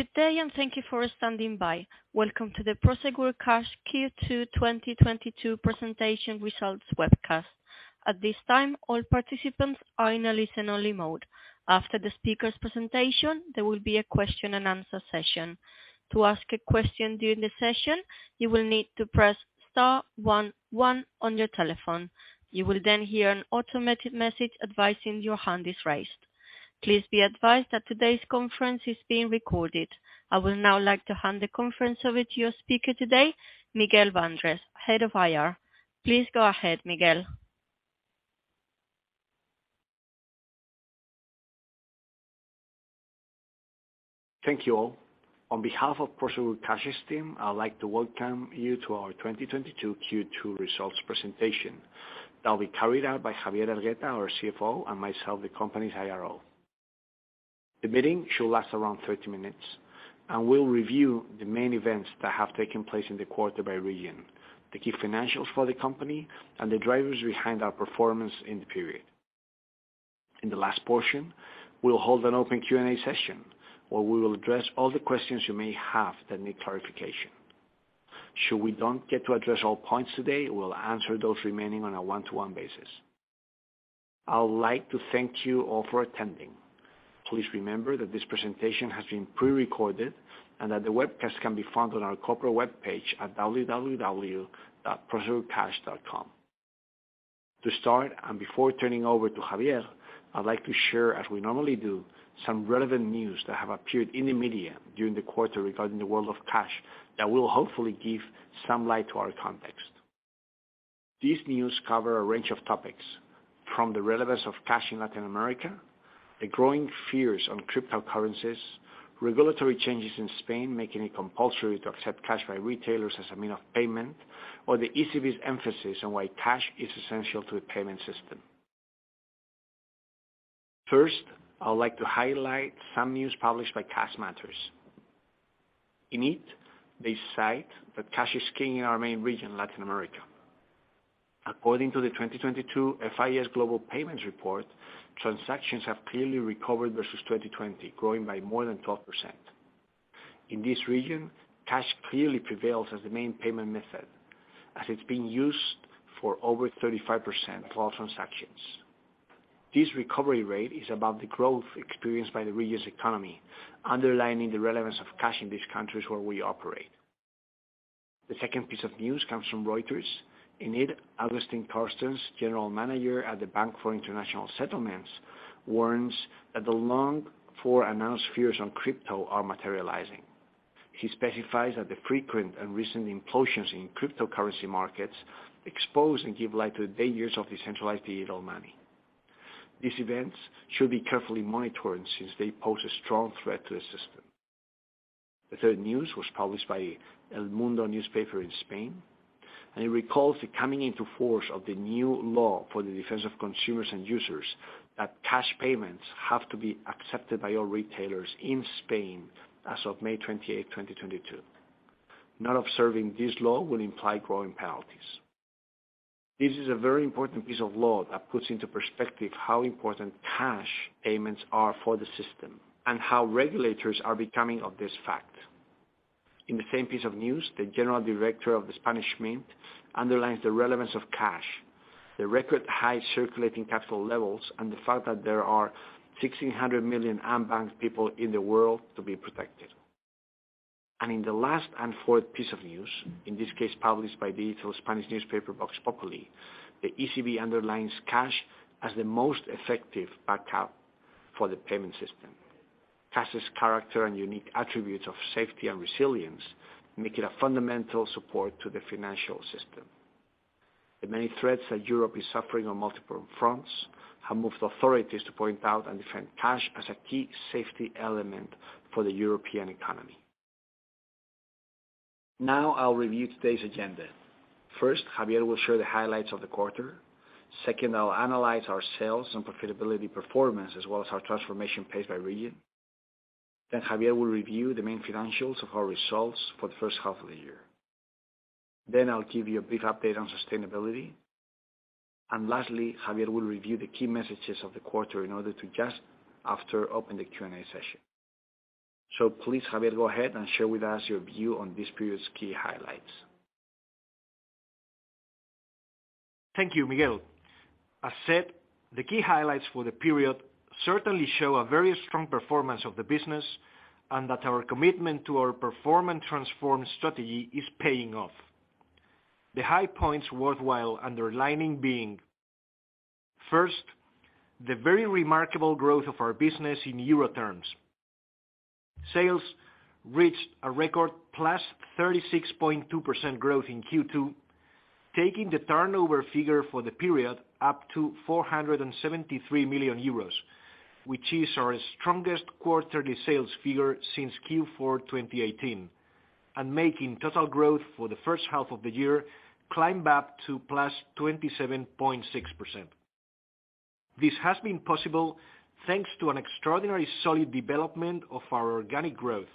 Good day, and thank you for standing by. Welcome to the Prosegur Cash Q2 2022 Presentation Results Webcast. At this time, all participants are in a listen-only mode. After the speaker's presentation, there will be a question and answer session. To ask a question during the session, you will need to press star one one on your telephone. You will then hear an automated message advising your hand is raised. Please be advised that today's conference is being recorded. I would now like to hand the conference over to your speaker today, Miguel Bandrés, Head of IR. Please go ahead, Miguel. Thank you all. On behalf of Prosegur Cash's team, I would like to welcome you to our 2022 Q2 Results Presentation that will be carried out by Javier Hergueta, our CFO, and myself, the company's IRO. The meeting should last around 30 minutes, and we'll review the main events that have taken place in the quarter by region, the key financials for the company, and the drivers behind our performance in the period. In the last portion, we'll hold an open Q&A session where we will address all the questions you may have that need clarification. Should we don't get to address all points today, we'll answer those remaining on a one-to-one basis. I would like to thank you all for attending. Please remember that this presentation has been prerecorded and that the webcast can be found on our corporate webpage at www.prosegurcash.com. To start, before turning over to Javier, I'd like to share, as we normally do, some relevant news that have appeared in the media during the quarter regarding the world of cash that will hopefully give some light to our context. These news cover a range of topics, from the relevance of cash in Latin America, the growing fears on cryptocurrencies, regulatory changes in Spain making it compulsory to accept cash by retailers as a means of payment, or the ECB's emphasis on why cash is essential to a payment system. First, I would like to highlight some news published by Cash Matters. In it, they cite that cash is king in our main region, Latin America. According to the 2022 FIS global payments report, transactions have clearly recovered versus 2020, growing by more than 12%. In this region, cash clearly prevails as the main payment method, as it's being used for over 35% of all transactions. This recovery rate is about the growth experienced by the region's economy, underlining the relevance of cash in these countries where we operate. The second piece of news comes from Reuters. In it, Agustín Carstens, General Manager at the Bank for International Settlements, warns that the long foreannounced fears on crypto are materializing. He specifies that the frequent and recent implosions in cryptocurrency markets expose and give light to the dangers of decentralized digital money. These events should be carefully monitored since they pose a strong threat to the system. The third news was published by El Mundo newspaper in Spain, and it recalls the coming into force of the new General Law for the Defense of Consumers and Users that cash payments have to be accepted by all retailers in Spain as of May 28, 2022. Not observing this law will imply growing penalties. This is a very important piece of law that puts into perspective how important cash payments are for the system and how regulators are becoming aware of this fact. In the same piece of news, the General Director of the Spanish Mint underlines the relevance of cash, the record high circulating cash levels, and the fact that there are 1,600 million unbanked people in the world to be protected. In the last and fourth piece of news, in this case published by the digital Spanish newspaper Vozpópuli, the ECB underlines cash as the most effective backup for the payment system. Cash's character and unique attributes of safety and resilience make it a fundamental support to the financial system. The many threats that Europe is suffering on multiple fronts have moved authorities to point out and defend cash as a key safety element for the European economy. Now, I'll review today's agenda. First, Javier will share the highlights of the quarter. Second, I'll analyze our sales and profitability performance, as well as our transformation pace by region. Javier will review the main financials of our results for the first half of the year. I'll give you a brief update on sustainability. Lastly, Javier will review the key messages of the quarter in order to just wrap up and then open the Q&A session. Please, Javier, go ahead and share with us your view on this period's key highlights. Thank you, Miguel. As said, the key highlights for the period certainly show a very strong performance of the business and that our commitment to our perform and transform strategy is paying off. The high points worthwhile underlining being, first, the very remarkable growth of our business in euro terms. Sales reached a record +36.2% growth in Q2, taking the turnover figure for the period up to 473 million euros, which is our strongest quarterly sales figure since Q4 2018, and making total growth for the first half of the year climb back to +27.6%. This has been possible thanks to an extraordinary solid development of our organic growth.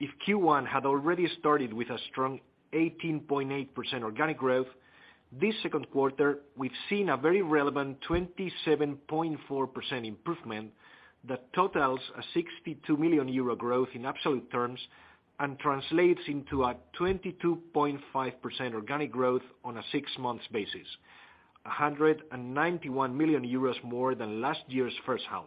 If Q1 had already started with a strong 18.8% organic growth, this second quarter, we've seen a very relevant 27.4% improvement that totals a 62 million euro growth in absolute terms and translates into a 22.5% organic growth on a six-month basis. 191 million euros more than last year's first half.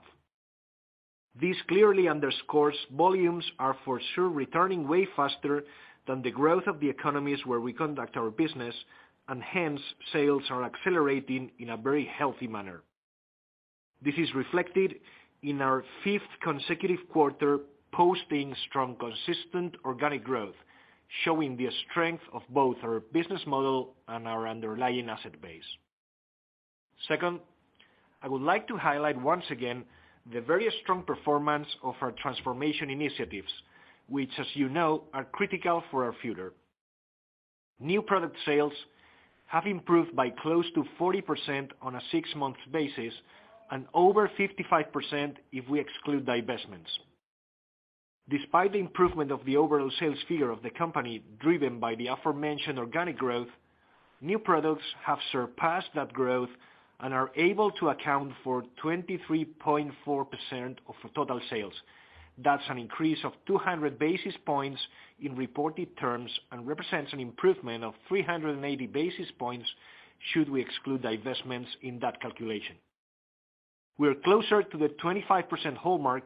This clearly underscores volumes are for sure returning way faster than the growth of the economies where we conduct our business, and hence, sales are accelerating in a very healthy manner. This is reflected in our fifth consecutive quarter, posting strong, consistent organic growth, showing the strength of both our business model and our underlying asset base. Second, I would like to highlight once again the very strong performance of our transformation initiatives, which, as you know, are critical for our future. New product sales have improved by close to 40% on a six-month basis and over 55% if we exclude divestments. Despite the improvement of the overall sales figure of the company driven by the aforementioned organic growth, new products have surpassed that growth and are able to account for 23.4% of the total sales. That's an increase of 200 basis points in reported terms and represents an improvement of 380 basis points, should we exclude divestments in that calculation. We're closer to the 25% hallmark,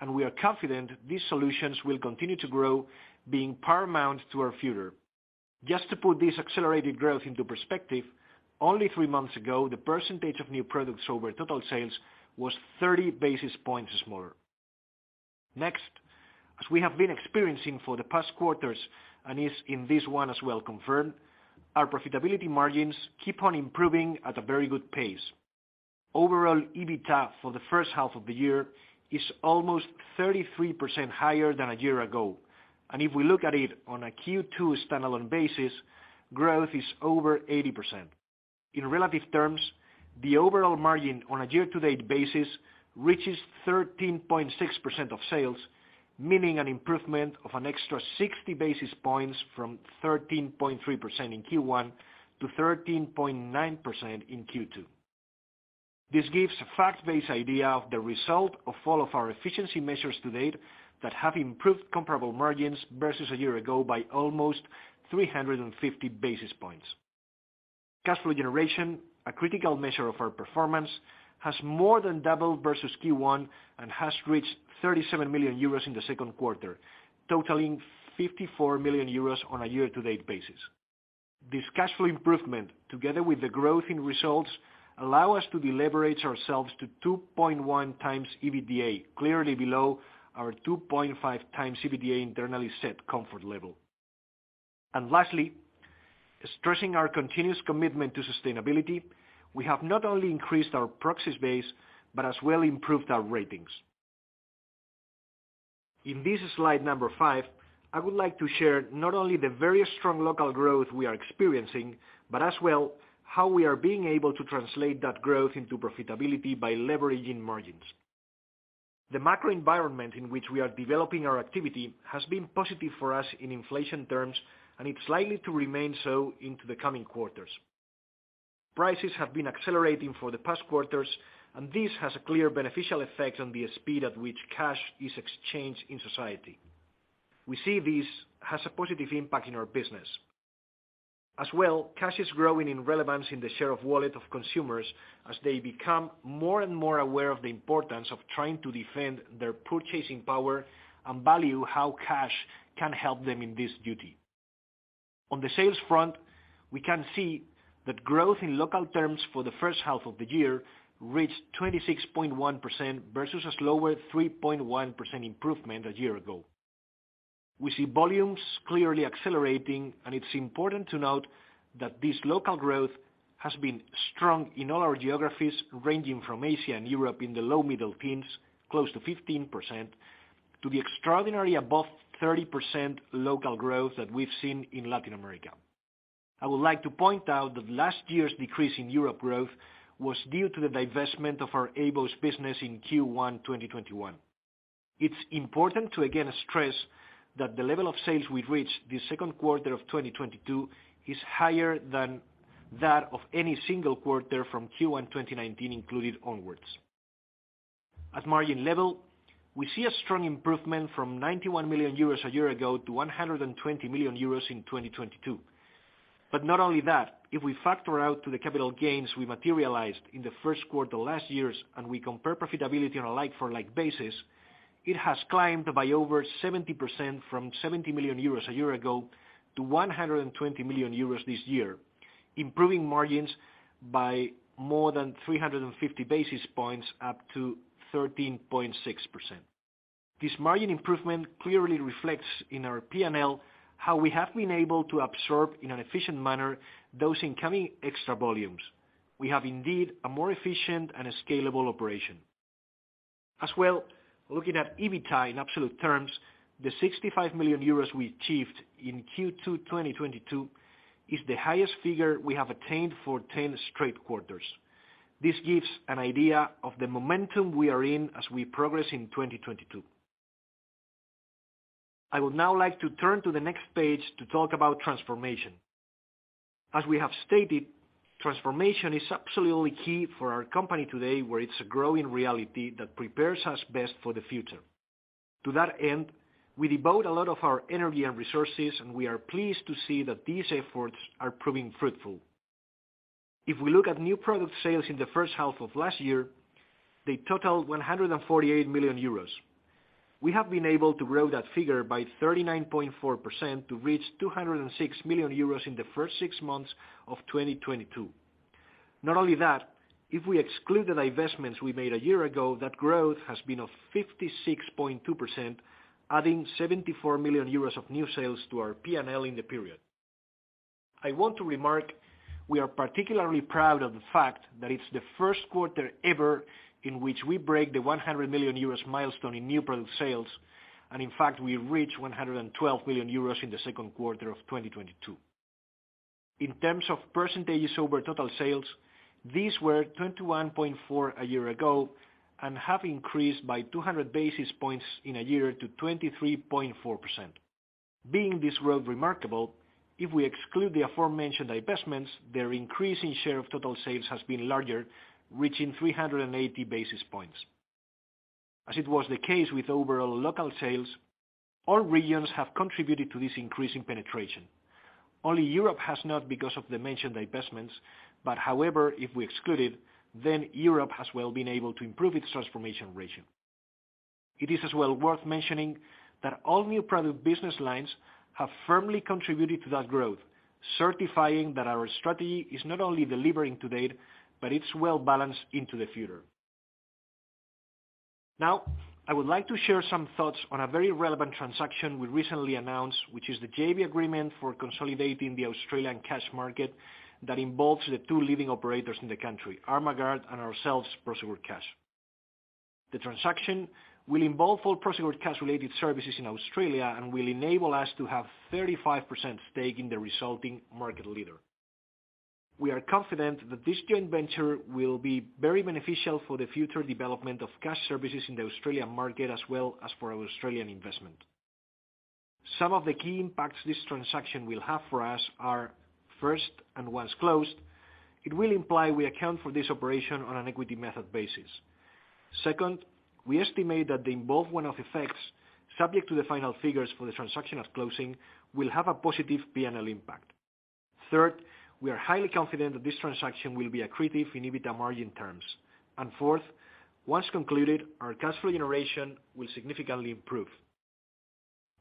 and we are confident these solutions will continue to grow, being paramount to our future. Just to put this accelerated growth into perspective, only three months ago, the percentage of new products over total sales was 30 basis points smaller. Next, as we have been experiencing for the past quarters, and is in this one as well confirmed, our profitability margins keep on improving at a very good pace. Overall, EBITA for the first half of the year is almost 33% higher than a year ago. If we look at it on a Q2 standalone basis, growth is over 80%. In relative terms, the overall margin on a year-to-date basis reaches 13.6% of sales, meaning an improvement of an extra 60 basis points from 13.3% in Q1 to 13.9% in Q2. This gives a fact-based idea of the result of all of our efficiency measures to date that have improved comparable margins versus a year ago by almost 350 basis points. Cash flow generation, a critical measure of our performance, has more than doubled versus Q1 and has reached 37 million euros in the second quarter, totaling 54 million euros on a year-to-date basis. This cash flow improvement, together with the growth in results, allow us to deleverage ourselves to 2.1x EBITDA, clearly below our 2.5x EBITDA internally set comfort level. Lastly, stressing our continuous commitment to sustainability, we have not only increased our proxies base, but as well improved our ratings. In this slide number five, I would like to share not only the very strong local growth we are experiencing, but as well, how we are being able to translate that growth into profitability by leveraging margins. The macro environment in which we are developing our activity has been positive for us in inflation terms, and it's likely to remain so into the coming quarters. Prices have been accelerating for the past quarters, and this has a clear beneficial effect on the speed at which cash is exchanged in society. We see this has a positive impact in our business. As well, cash is growing in relevance in the share of wallet of consumers as they become more and more aware of the importance of trying to defend their purchasing power and value how cash can help them in this duty. On the sales front, we can see that growth in local terms for the first half of the year reached 26.1% versus a slower 3.1% improvement a year ago. We see volumes clearly accelerating, and it's important to note that this local growth has been strong in all our geographies, ranging from Asia and Europe in the low middle teens, close to 15%, to the extraordinary above 30% local growth that we've seen in Latin America. I would like to point out that last year's decrease in Europe growth was due to the divestment of our AVOS business in Q1 2021. It's important to again stress that the level of sales we've reached this second quarter of 2022 is higher than that of any single quarter from Q1 2019 included onwards. At margin level, we see a strong improvement from 91 million euros a year ago to 120 million euros in 2022. Not only that, if we factor out the capital gains we materialized in the first quarter last year, and we compare profitability on a like-for-like basis, it has climbed by over 70% from 70 million euros a year ago to 120 million euros this year, improving margins by more than 350 basis points up to 13.6%. This margin improvement clearly reflects in our P&L how we have been able to absorb in an efficient manner those incoming extra volumes. We have indeed a more efficient and a scalable operation. As well, looking at EBITA in absolute terms, the 65 million euros we achieved in Q2 2022 is the highest figure we have attained for 10 straight quarters. This gives an idea of the momentum we are in as we progress in 2022. I would now like to turn to the next page to talk about transformation. As we have stated, transformation is absolutely key for our company today, where it's a growing reality that prepares us best for the future. To that end, we devote a lot of our energy and resources, and we are pleased to see that these efforts are proving fruitful. If we look at new product sales in the first half of last year, they totaled 148 million euros. We have been able to grow that figure by 39.4% to reach 206 million euros in the first six months of 2022. Not only that, if we exclude the divestments we made a year ago, that growth has been of 56.2%, adding 74 million euros of new sales to our P&L in the period. I want to remark, we are particularly proud of the fact that it's the first quarter ever in which we break the 100 million euros milestone in new product sales, and in fact, we reached 112 million euros in the second quarter of 2022. In terms of percentages over total sales, these were 21.4% a year ago and have increased by 200 basis points in a year to 23.4%. Being this growth remarkable, if we exclude the aforementioned divestments, their increase in share of total sales has been larger, reaching 380 basis points. As it was the case with overall local sales, all regions have contributed to this increase in penetration. Only Europe has not because of the mentioned divestments, but however, if we exclude it, then Europe has well been able to improve its transformation ratio. It is as well worth mentioning that all new product business lines have firmly contributed to that growth, certifying that our strategy is not only delivering to date, but it's well-balanced into the future. Now, I would like to share some thoughts on a very relevant transaction we recently announced, which is the JV agreement for consolidating the Australian cash market that involves the two leading operators in the country, Armaguard and ourselves, Prosegur Cash. The transaction will involve all Prosegur Cash-related services in Australia and will enable us to have 35% stake in the resulting market leader. We are confident that this joint venture will be very beneficial for the future development of cash services in the Australian market, as well as for our Australian investment. Some of the key impacts this transaction will have for us are, first, and once closed, it will imply we account for this operation on an equity method basis. Second, we estimate that the involved one-off effects, subject to the final figures for the transaction at closing, will have a positive P&L impact. Third, we are highly confident that this transaction will be accretive in EBITDA margin terms. Fourth, once concluded, our cash flow generation will significantly improve.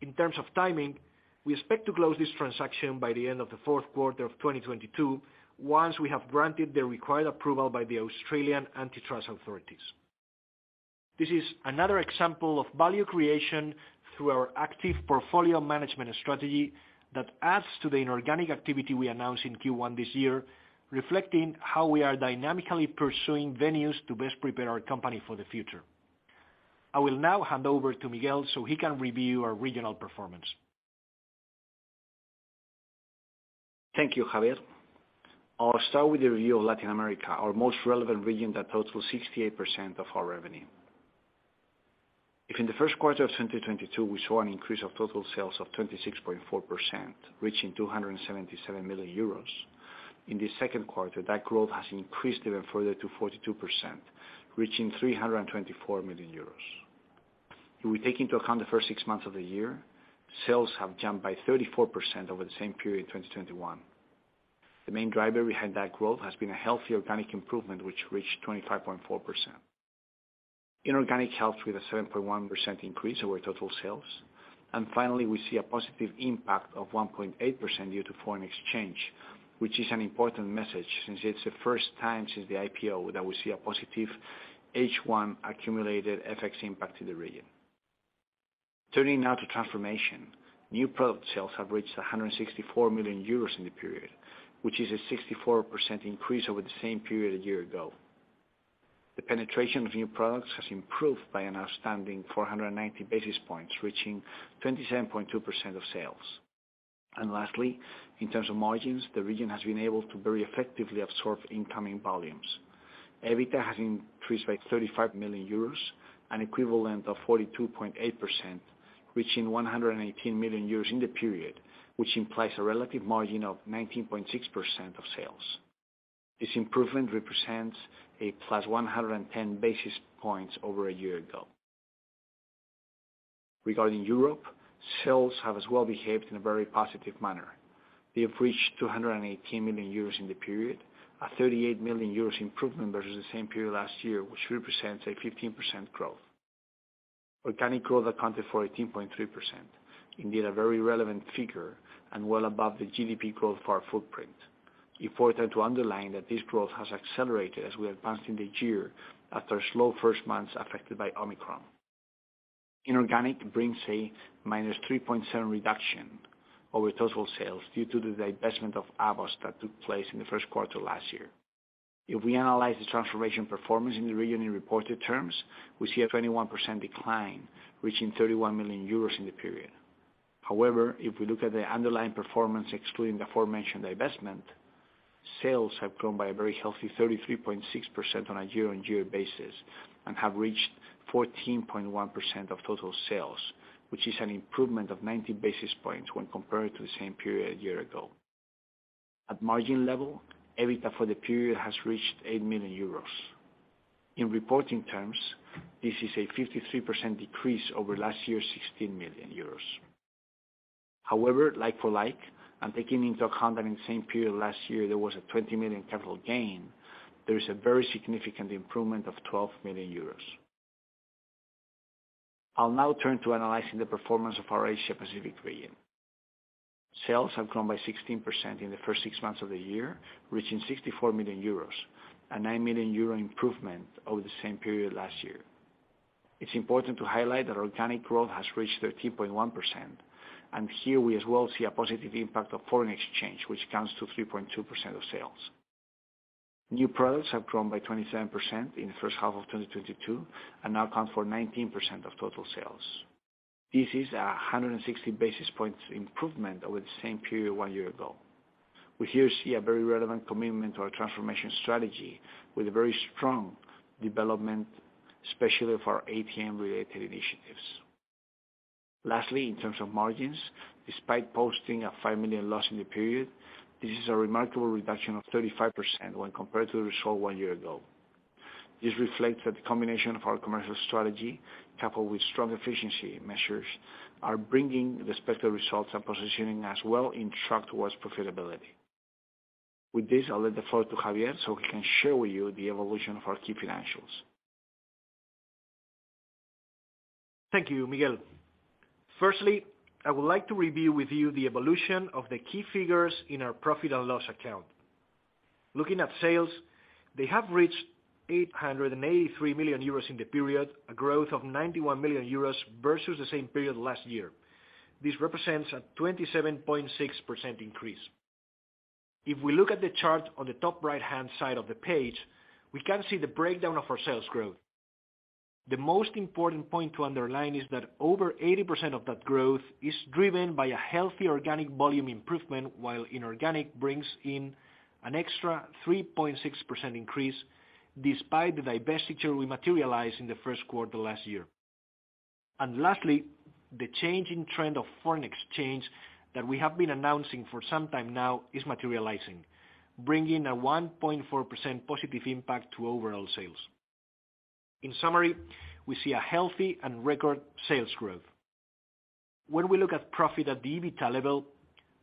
In terms of timing, we expect to close this transaction by the end of the fourth quarter of 2022, once we have granted the required approval by the Australian antitrust authorities. This is another example of value creation through our active portfolio management strategy that adds to the inorganic activity we announced in Q1 this year, reflecting how we are dynamically pursuing avenues to best prepare our company for the future. I will now hand over to Miguel so he can review our regional performance. Thank you, Javier. I'll start with the review of Latin America, our most relevant region that totals 68% of our revenue. In the first quarter of 2022, we saw an increase of total sales of 26.4%, reaching 277 million euros. In this second quarter, that growth has increased even further to 42%, reaching 324 million euros. If we take into account the first six months of the year, sales have jumped by 34% over the same period in 2021. The main driver behind that growth has been a healthy organic improvement, which reached 25.4%. Inorganic helped with a 7.1% increase over total sales. Finally, we see a positive impact of 1.8% due to foreign exchange, which is an important message since it's the first time since the IPO that we see a positive H1 accumulated FX impact to the region. Turning now to transformation. New product sales have reached 164 million euros in the period, which is a 64% increase over the same period a year ago. The penetration of new products has improved by an outstanding 490 basis points, reaching 27.2% of sales. Lastly, in terms of margins, the region has been able to very effectively absorb incoming volumes. EBITDA has increased by 35 million euros, an equivalent of 42.8%, reaching 118 million euros in the period, which implies a relative margin of 19.6% of sales. This improvement represents a +110 basis points over a year ago. Regarding Europe, sales have as well behaved in a very positive manner. They have reached 218 million euros in the period, a 38 million euros improvement versus the same period last year, which represents a 15% growth. Organic growth accounted for 18.3%, indeed a very relevant figure and well above the GDP growth of our footprint. It further to underline that this growth has accelerated as we advanced in the year after slow first months affected by Omicron. Inorganic brings a -3.7 reduction over total sales due to the divestment of AVOS that took place in the first quarter last year. If we analyze the transformation performance in the region in reported terms, we see a 21% decline, reaching 31 million euros in the period. However, if we look at the underlying performance, excluding the aforementioned divestment. Sales have grown by a very healthy 33.6% on a year-on-year basis and have reached 14.1% of total sales, which is an improvement of 90 basis points when compared to the same period a year ago. At margin level, EBITDA for the period has reached 8 million euros. In reporting terms, this is a 53% decrease over last year's 16 million euros. However, like for like, and taking into account that in the same period last year there was a 20 million capital gain, there is a very significant improvement of 12 million euros. I'll now turn to analyzing the performance of our Asia Pacific region. Sales have grown by 16% in the first six months of the year, reaching 64 million euros, a 9 million euro improvement over the same period last year. It's important to highlight that organic growth has reached 13.1%, and here we as well see a positive impact of foreign exchange, which accounts for 3.2% of sales. New products have grown by 27% in the first half of 2022 and now account for 19% of total sales. This is a 160 basis points improvement over the same period one year ago. We here see a very relevant commitment to our transformation strategy with a very strong development, especially of our ATM-related initiatives. Lastly, in terms of margins, despite posting a 5 million loss in the period, this is a remarkable reduction of 35% when compared to the result one year ago. This reflects that the combination of our commercial strategy, coupled with strong efficiency measures, are bringing the expected results and positioning us well on track towards profitability. With this, I'll give the floor to Javier so he can share with you the evolution of our key financials. Thank you, Miguel. Firstly, I would like to review with you the evolution of the key figures in our profit and loss account. Looking at sales, they have reached 883 million euros in the period, a growth of 91 million euros versus the same period last year. This represents a 27.6% increase. If we look at the chart on the top right-hand side of the page, we can see the breakdown of our sales growth. The most important point to underline is that over 80% of that growth is driven by a healthy organic volume improvement, while inorganic brings in an extra 3.6% increase despite the divestiture we materialized in the first quarter last year. Lastly, the change in trend of foreign exchange that we have been announcing for some time now is materializing, bringing a 1.4% positive impact to overall sales. In summary, we see a healthy and record sales growth. When we look at profit at the EBITDA level,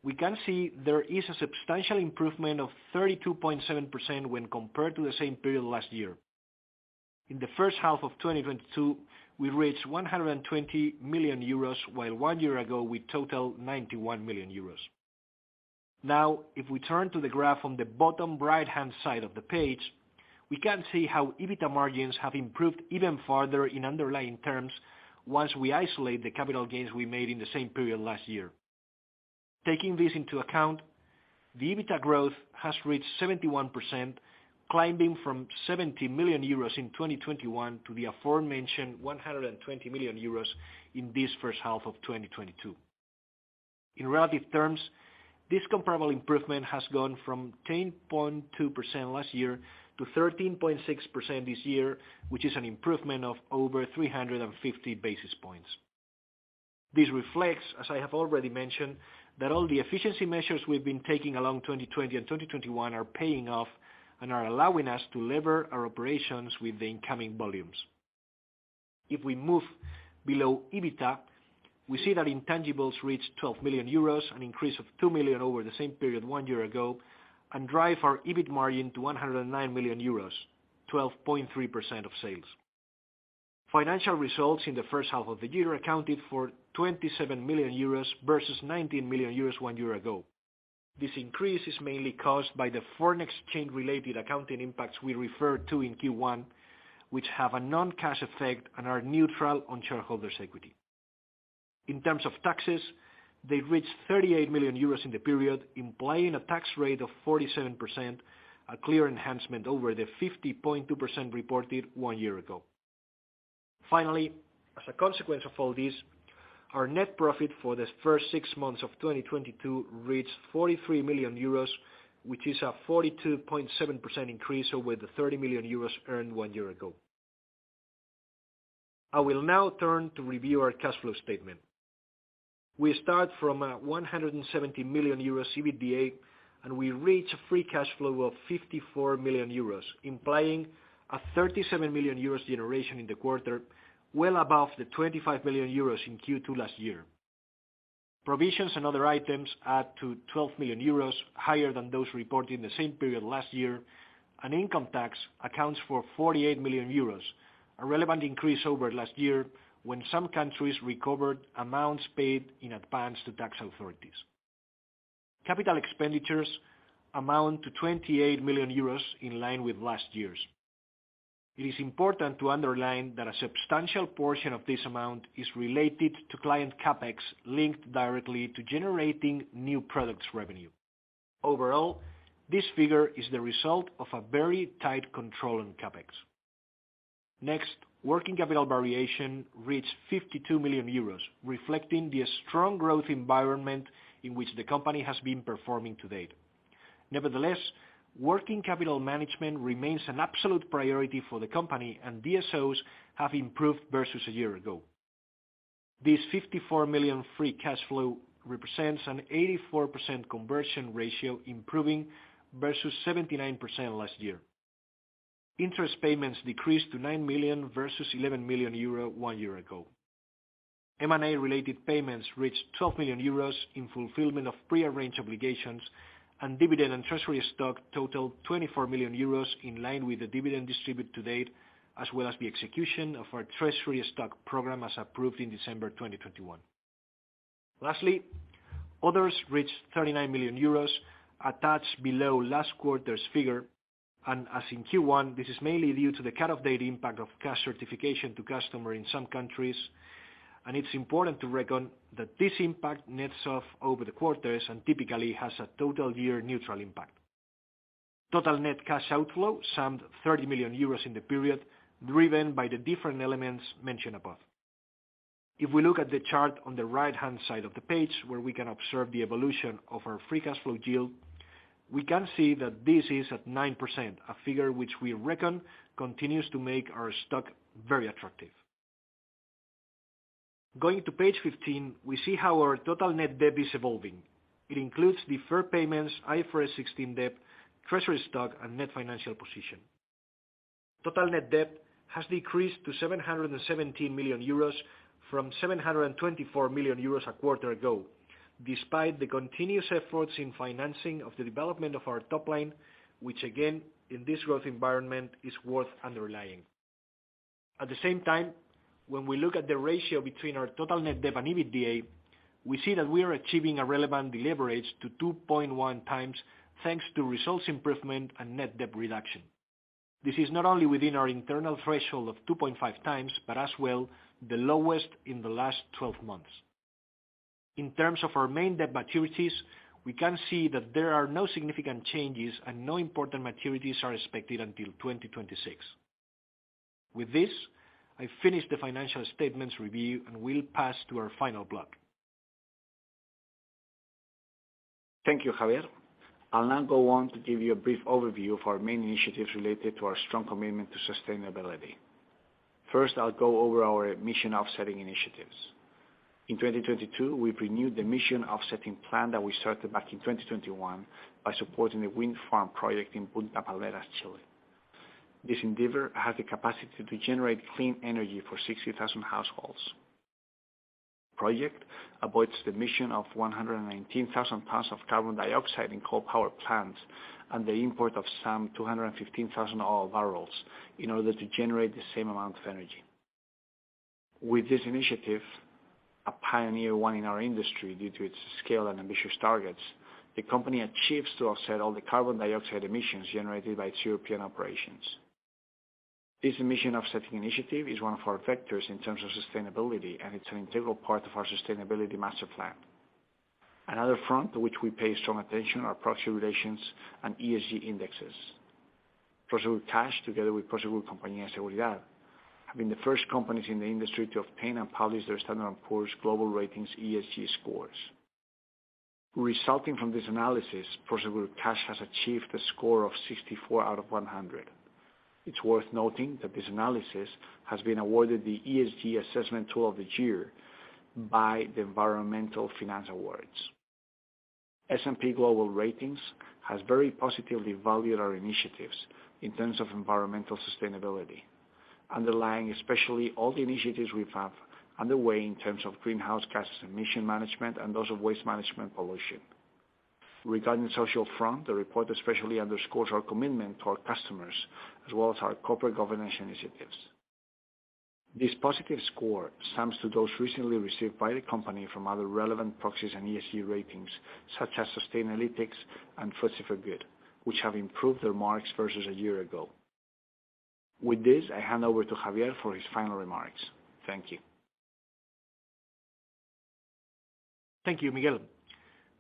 we can see there is a substantial improvement of 32.7% when compared to the same period last year. In the first half of 2022, we reached 120 million euros, while one year ago we totaled 91 million euros. Now, if we turn to the graph on the bottom right-hand side of the page, we can see how EBITDA margins have improved even further in underlying terms once we isolate the capital gains we made in the same period last year. Taking this into account, the EBITDA growth has reached 71%, climbing from 70 million euros in 2021 to the aforementioned 120 million euros in this first half of 2022. In relative terms, this comparable improvement has gone from 10.2% last year to 13.6% this year, which is an improvement of over 350 basis points. This reflects, as I have already mentioned, that all the efficiency measures we've been taking along 2020 and 2021 are paying off and are allowing us to lever our operations with the incoming volumes. If we move below EBITDA, we see that intangibles reach 12 million euros, an increase of 2 million over the same period one year ago, and drive our EBIT margin to 109 million euros, 12.3% of sales. Financial results in the first half of the year accounted for 27 million euros versus 19 million euros one year ago. This increase is mainly caused by the foreign exchange-related accounting impacts we referred to in Q1, which have a non-cash effect and are neutral on shareholders' equity. In terms of taxes, they reached 38 million euros in the period, implying a tax rate of 47%, a clear enhancement over the 50.2% reported one year ago. Finally, as a consequence of all this, our net profit for the first six months of 2022 reached 43 million euros, which is a 42.7% increase over the 30 million euros earned one year ago. I will now turn to review our cash flow statement. We start from a 170 million euro EBITDA, and we reach a free cash flow of 54 million euros, implying a 37 million euros generation in the quarter, well above the 25 million euros in Q2 last year. Provisions and other items add to 12 million euros, higher than those reported in the same period last year. Income tax accounts for 48 million euros, a relevant increase over last year when some countries recovered amounts paid in advance to tax authorities. Capital expenditures amount to 28 million euros in line with last year's. It is important to underline that a substantial portion of this amount is related to client CapEx linked directly to generating new products revenue. Overall, this figure is the result of a very tight control on CapEx. Next, working capital variation reached 52 million euros, reflecting the strong growth environment in which the company has been performing to date. Nevertheless, working capital management remains an absolute priority for the company, and DSOs have improved versus a year ago. This 54 million free cash flow represents an 84% conversion ratio, improving versus 79% last year. Interest payments decreased to 9 million versus 11 million euro one year ago. M&A-related payments reached 12 million euros in fulfillment of prearranged obligations, and dividend and treasury stock totaled 24 million euros, in line with the dividend distributed to date, as well as the execution of our treasury stock program as approved in December 2021. Lastly, others reached 39 million euros, a touch below last quarter's figure, and as in Q1, this is mainly due to the cut-off date impact of cash certification to customer in some countries, and it's important to reckon that this impact nets off over the quarters and typically has a total year neutral impact. Total net cash outflow summed 30 million euros in the period, driven by the different elements mentioned above. If we look at the chart on the right-hand side of the page, where we can observe the evolution of our free cash flow yield, we can see that this is at 9%, a figure which we reckon continues to make our stock very attractive. Going to page 15, we see how our total net debt is evolving. It includes deferred payments, IFRS 16 debt, treasury stock, and net financial position. Total net debt has decreased to 717 million euros from 724 million euros a quarter ago, despite the continuous efforts in financing of the development of our top line, which again, in this growth environment, is worth underlying. At the same time, when we look at the ratio between our total net debt and EBITDA, we see that we are achieving a relevant deleverage to 2.1x, thanks to resource improvement and net debt reduction. This is not only within our internal threshold of 2.5x, but as well, the lowest in the last 12 months. In terms of our main debt maturities, we can see that there are no significant changes and no important maturities are expected until 2026. With this, I finish the financial statements review, and we'll pass to our final block. Thank you, Javier. I'll now go on to give you a brief overview of our main initiatives related to our strong commitment to sustainability. First, I'll go over our emission offsetting initiatives. In 2022, we've renewed the emission offsetting plan that we started back in 2021 by supporting a wind farm project in Punta Palmeras, Chile. This endeavor has the capacity to generate clean energy for 60,000 households. Project avoids the emission of 119,000 tons of carbon dioxide in coal power plants and the import of some 215,000 oil barrels in order to generate the same amount of energy. With this initiative, a pioneer one in our industry due to its scale and ambitious targets, the company achieves to offset all the carbon dioxide emissions generated by its European operations. This emission offsetting initiative is one of our vectors in terms of sustainability, and it's an integral part of our sustainability master plan. Another front to which we pay strong attention are proxy relations and ESG indexes. Prosegur Cash, together with Prosegur Compañía de Seguridad, have been the first companies in the industry to obtain and publish their Standard & Poor's global ratings ESG scores. Resulting from this analysis, Prosegur Cash has achieved a score of 64 out of 100. It's worth noting that this analysis has been awarded the ESG Assessment Tool of the Year by the Environmental Finance Awards. S&P Global Ratings has very positively valued our initiatives in terms of environmental sustainability, underlining especially all the initiatives we have underway in terms of greenhouse gas emission management and those of waste management policy. Regarding social front, the report especially underscores our commitment to our customers as well as our corporate governance initiatives. This positive score stems from those recently received by the company from other relevant proxies and ESG ratings, such as Sustainalytics and FTSE4Good, which have improved their marks versus a year ago. With this, I hand over to Javier for his final remarks. Thank you. Thank you, Miguel.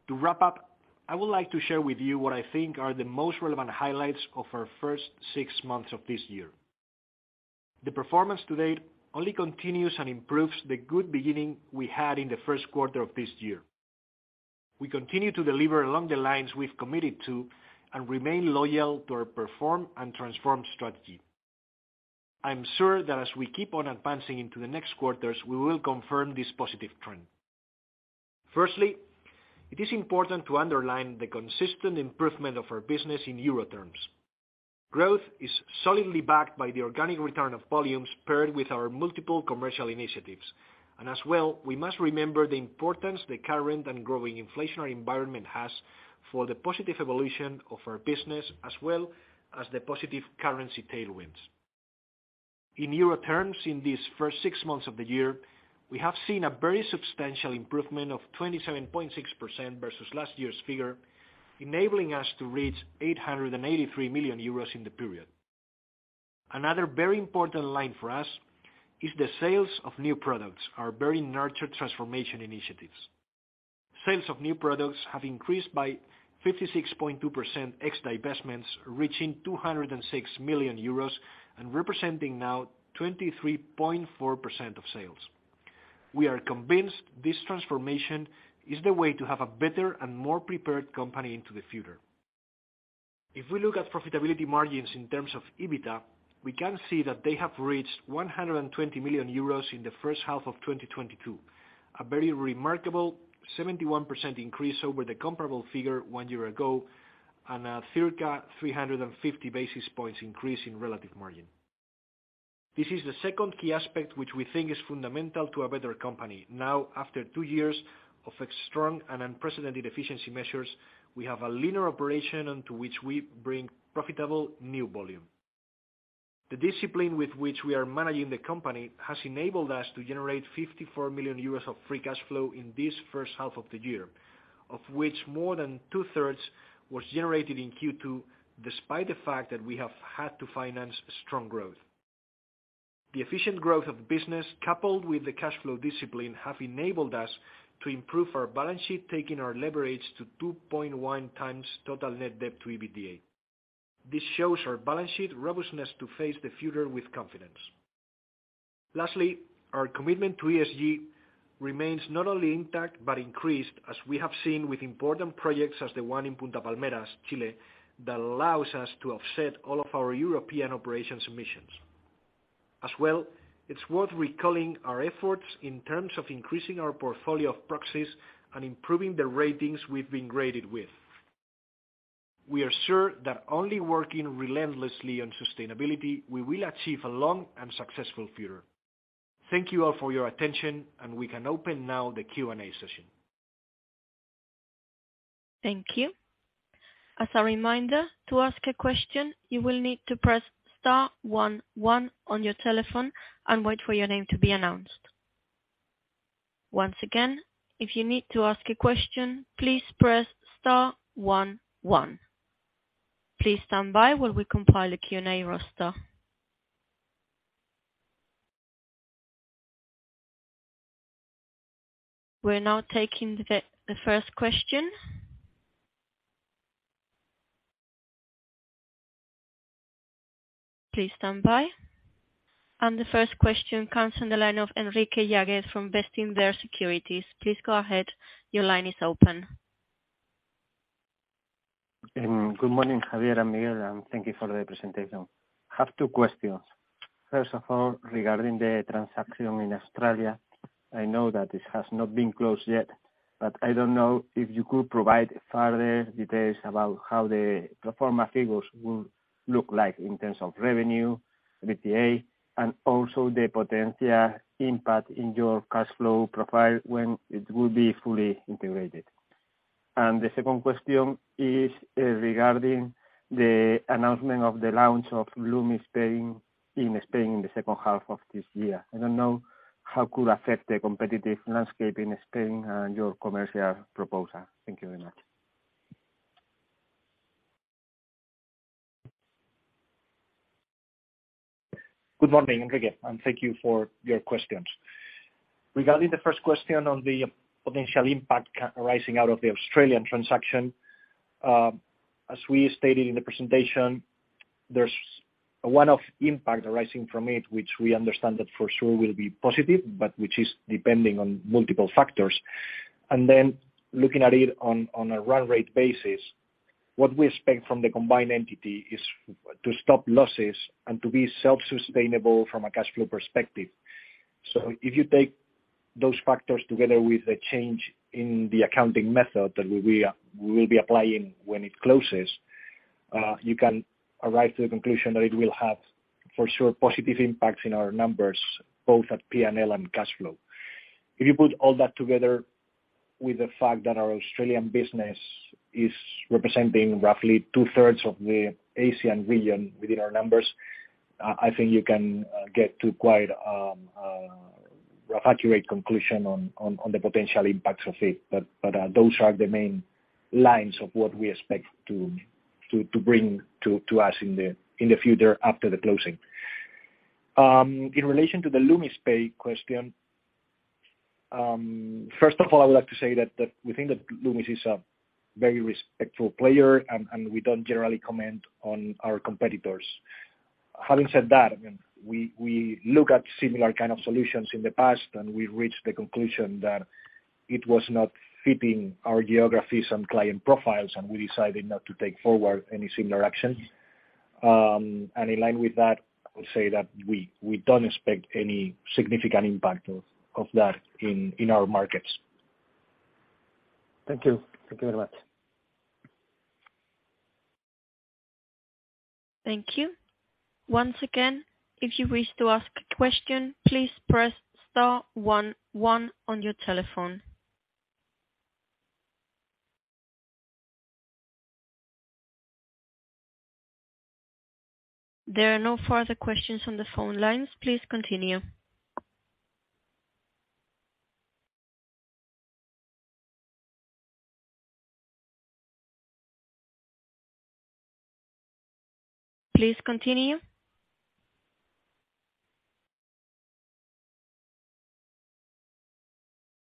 To wrap up, I would like to share with you what I think are the most relevant highlights of our first six months of this year. The performance to date only continues and improves the good beginning we had in the first quarter of this year. We continue to deliver along the lines we've committed to and remain loyal to our perform and transform strategy. I'm sure that as we keep on advancing into the next quarters, we will confirm this positive trend. Firstly, it is important to underline the consistent improvement of our business in euro terms. Growth is solidly backed by the organic return of volumes paired with our multiple commercial initiatives. As well, we must remember the importance the current and growing inflationary environment has for the positive evolution of our business as well as the positive currency tailwinds. In euro terms, in these first six months of the year, we have seen a very substantial improvement of 27.6% versus last year's figure, enabling us to reach 883 million euros in the period. Another very important line for us is the sales of new products, our very nurtured transformation initiatives. Sales of new products have increased by 56.2% ex-divestments, reaching 206 million euros, and representing now 23.4% of sales. We are convinced this transformation is the way to have a better and more prepared company into the future. If we look at profitability margins in terms of EBITDA, we can see that they have reached 120 million euros in the first half of 2022. A very remarkable 71% increase over the comparable figure one year ago, and a circa 350 basis points increase in relative margin. This is the second key aspect which we think is fundamental to a better company. Now, after two years of a strong and unprecedented efficiency measures, we have a leaner operation onto which we bring profitable new volume. The discipline with which we are managing the company has enabled us to generate 54 million euros of free cash flow in this first half of the year, of which more than 2/3 was generated in Q2, despite the fact that we have had to finance strong growth. The efficient growth of the business, coupled with the cash flow discipline, have enabled us to improve our balance sheet, taking our leverage to 2.1x total net debt to EBITDA. This shows our balance sheet robustness to face the future with confidence. Lastly, our commitment to ESG remains not only intact but increased, as we have seen with important projects as the one in Punta Palmeras, Chile, that allows us to offset all of our European operations emissions. As well, it's worth recalling our efforts in terms of increasing our portfolio of proxies and improving the ratings we've been graded with. We are sure that only working relentlessly on sustainability, we will achieve a long and successful future. Thank you all for your attention, and we can open now the Q&A session. Thank you. As a reminder, to ask a question, you will need to press star one one on your telephone and wait for your name to be announced. Once again, if you need to ask a question, please press star one one. Please stand by while we compile a Q&A roster. We're now taking the first question. Please stand by. The first question comes on the line of Enrique Yágüez from Bestinver Securities. Please go ahead. Your line is open. Good morning, Javier and Miguel, and thank you for the presentation. Have two questions. First of all, regarding the transaction in Australia, I know that it has not been closed yet, but I don't know if you could provide further details about how the pro forma figures will look like in terms of revenue, EBITDA, and also the potential impact in your cash flow profile when it will be fully integrated. The second question is, regarding the announcement of the launch of Loomis Pay in Spain in the second half of this year. I don't know how could affect the competitive landscape in Spain and your commercial proposal. Thank you very much. Good morning, Enrique, and thank you for your questions. Regarding the first question on the potential impact arising out of the Australian transaction, as we stated in the presentation, there's a one-off impact arising from it, which we understand that for sure will be positive, but which is depending on multiple factors. Then looking at it on a run-rate basis, what we expect from the combined entity is to stop losses and to be self-sustainable from a cash flow perspective. If you take those factors together with the change in the accounting method that we will be applying when it closes, you can arrive to the conclusion that it will have, for sure, positive impacts in our numbers, both at P&L and cash flow. If you put all that together with the fact that our Australian business is representing roughly two-thirds of the Asian region within our numbers, I think you can get to quite accurate conclusion on the potential impacts of it. Those are the main lines of what we expect to bring to us in the future after the closing. In relation to the Loomis Pay question, first of all, I would like to say that we think that Loomis is a very respectable player and we don't generally comment on our competitors. Having said that, I mean, we look at similar kind of solutions in the past, and we reached the conclusion that it was not fitting our geographies and client profiles, and we decided not to take forward any similar actions. In line with that, I would say that we don't expect any significant impact of that in our markets. Thank you. Thank you very much. Thank you. Once again, if you wish to ask a question, please press star one one on your telephone. There are no further questions on the phone lines. Please continue.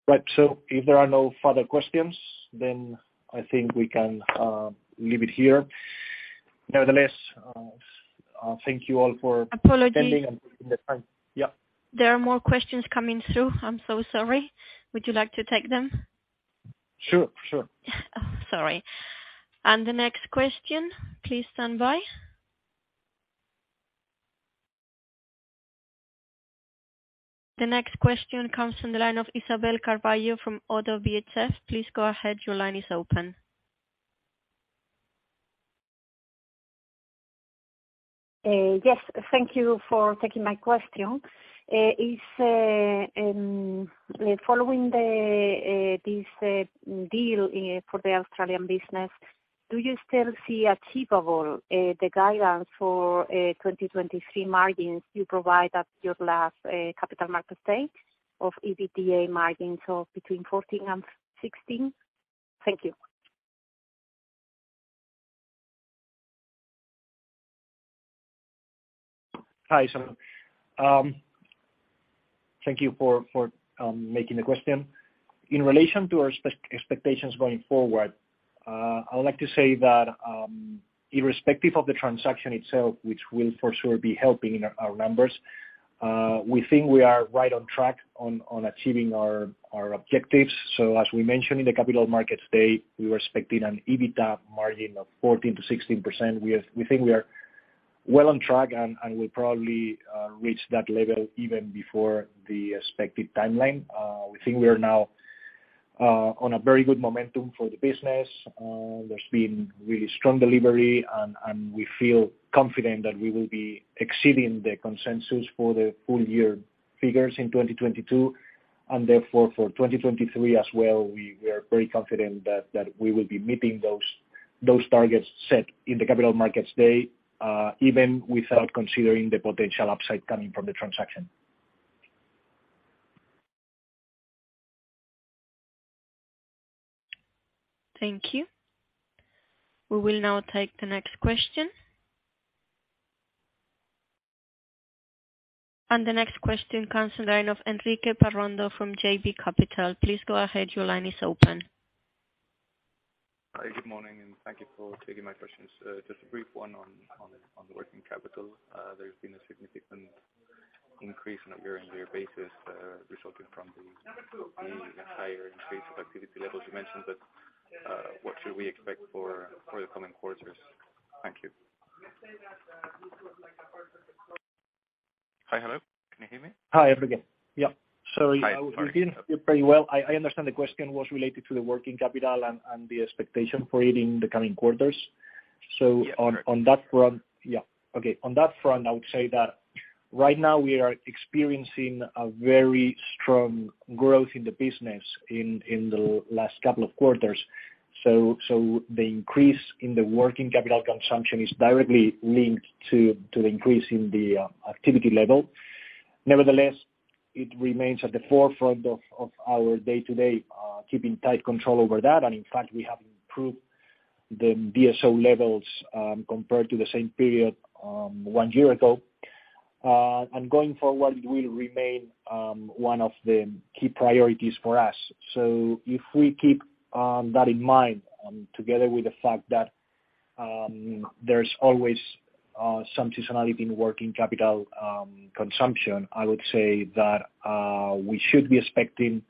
Right. If there are no further questions, then I think we can leave it here. Nevertheless, thank you all for. Apologies. Attending and taking the time. Yeah. There are more questions coming through. I'm so sorry. Would you like to take them? Sure, sure. Sorry. The next question. Please stand by. The next question comes from the line of Isabel Carvalho from Oddo BHF. Please go ahead. Your line is open. Yes. Thank you for taking my question. Is, following this deal for the Australian business, do you still see achievable the guidance for 2023 margins you provide at your last Capital Markets Day of EBITA margins of between 14%-16%? Thank you. Hi, thank you for asking the question. In relation to our expectations going forward, I would like to say that, irrespective of the transaction itself, which will for sure be helping our numbers, we think we are right on track to achieving our objectives. As we mentioned in the Capital Markets Day, we were expecting an EBITA margin of 14%-16%. We think we are well on track and will probably reach that level even before the expected timeline. We think we are now on a very good momentum for the business. There's been really strong delivery and we feel confident that we will be exceeding the consensus for the full year figures in 2022. Therefore for 2023 as well, we are very confident that we will be meeting those targets set in the Capital Markets Day, even without considering the potential upside coming from the transaction. Thank you. We will now take the next question. The next question comes from the line of Enrique Parrondo from JB Capital. Please go ahead, your line is open. Hi, good morning, and thank you for taking my questions. Just a brief one on the working capital. There's been a significant increase on a year-on-year basis, resulting from the higher increased activity levels you mentioned, but what should we expect for the coming quarters? Thank you. Hi, hello. Can you hear me? Hi, Enrique. Yeah. Sorry. Hi. Sorry. I was hearing you pretty well. I understand the question was related to the working capital and the expectation for it in the coming quarters. On that front. Yeah. Yeah. Okay. On that front, I would say that right now we are experiencing a very strong growth in the business in the last couple of quarters. The increase in the working capital consumption is directly linked to the increase in the activity level. Nevertheless, it remains at the forefront of our day-to-day keeping tight control over that. In fact, we have improved the DSO levels compared to the same period one year ago. Going forward, it will remain one of the key priorities for us. If we keep that in mind, together with the fact that there's always some seasonality in working capital consumption, I would say that we should be expecting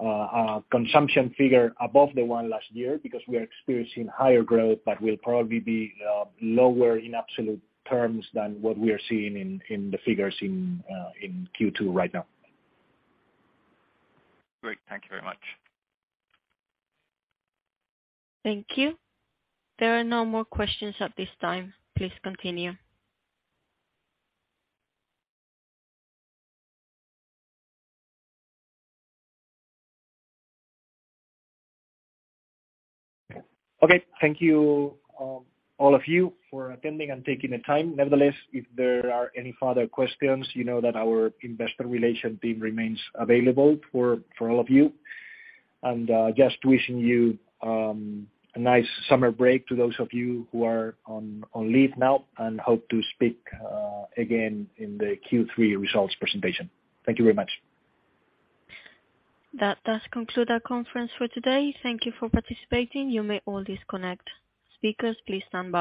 a consumption figure above the one last year because we are experiencing higher growth, but will probably be lower in absolute terms than what we are seeing in the figures in Q2 right now. Great. Thank you very much. Thank you. There are no more questions at this time. Please continue. Okay. Thank you, all of you for attending and taking the time. Nevertheless, if there are any further questions, you know that our investor relations team remains available for all of you. Just wishing you a nice summer break to those of you who are on leave now and hope to speak again in the Q3 results presentation. Thank you very much. That does conclude our conference for today. Thank you for participating. You may all disconnect. Speakers, please stand by.